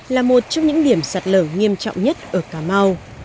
là một trong những điểm sạt lở nghiêm trọng nhất ở cà mau